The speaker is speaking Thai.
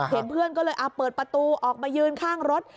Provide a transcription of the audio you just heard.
เห็นเพื่อนก็เลยเปิดประตูออกมายืนข้างรถ